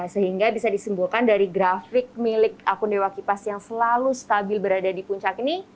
sehingga bisa disimpulkan dari grafik milik akun dewa kipas yang selalu stabil berada di puncak ini